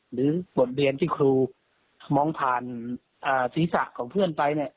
หรือบทเรียนที่ครูมองผ่านศีรษะของเพื่อนไปเนี่ย